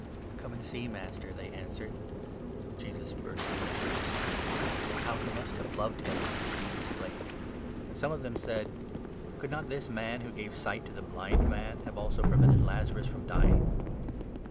34 "Come and see, Master," they answered. Jesus burst into tears. 35 "How he must have loved him!" the Jews exclaimed; 36 but some of them said : 37 " Could not this man, who gave sight to the blind man, have also prevented Lazarus from dying